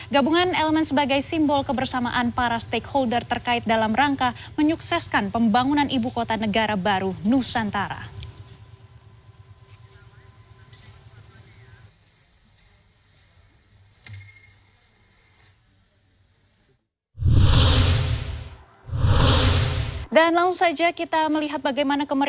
gabungan elemen sebagai simbol kebersamaan para stakeholder terkait dalam rangka menyukseskan pembangunan ibu kota negara baru nusantara